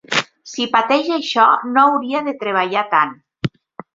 Si pateix això no hauria de treballar tant.